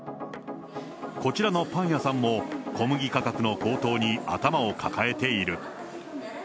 こちらのパン屋さんも、小麦価格の高騰に頭を抱えている。